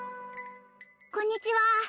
こんにちはー